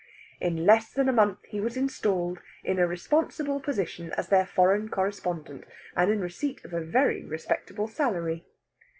In less than a month he was installed in a responsible position as their foreign correspondent and in receipt of a very respectable salary.